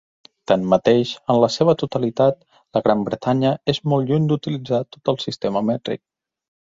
Tanmateix, en la seva totalitat, la Gran Bretanya és molt lluny d'utilitzar tot el sistema mètric.